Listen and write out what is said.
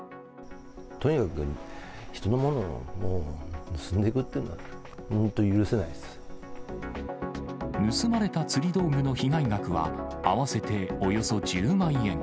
とにかく人のものをもう盗んでいくっていうのは、本当に許せ盗まれた釣り道具の被害額は合わせておよそ１０万円。